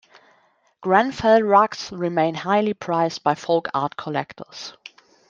Grenfell rugs remain highly prized by folk art collectors.